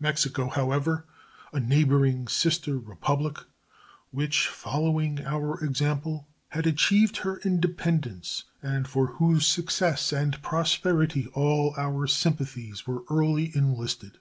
Mexico was, however, a neighboring sister republic, which, following our example, had achieved her independence, and for whose success and prosperity all our sympathies were early enlisted.